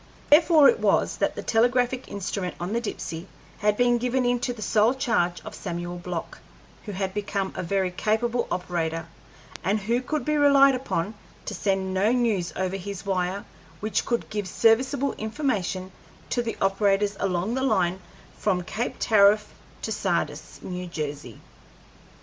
Therefore it was that the telegraphic instrument on the Dipsey had been given into the sole charge of Samuel Block, who had become a very capable operator, and who could be relied upon to send no news over his wire which could give serviceable information to the operators along the line from Cape Tariff to Sardis, New Jersey.